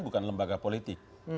bukan lembaga politik